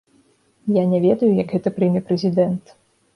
Я не ведаю, як гэта прыме прэзідэнт.